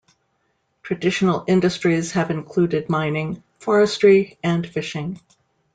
Traditional industries have included mining, forestry and fishing.